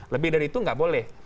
lebih dari itu nggak boleh